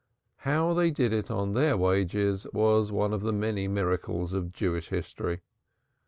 How they did it on their wages was one of the many miracles of Jewish history.